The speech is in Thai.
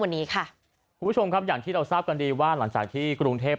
วันนี้ค่ะคุณผู้ชมครับอย่างที่เราทราบกันดีว่าหลังจากที่กรุงเทพ